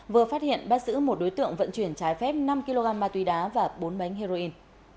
vừa phát hiện bắt giữ một đối tượng vận chuyển trái phép năm kg ma túy đá và bốn bánh heroin